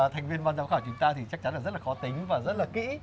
thành viên ban giám khảo chúng ta thì chắc chắn là rất là khó tính và rất là kỹ